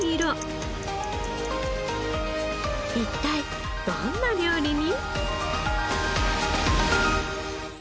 一体どんな料理に？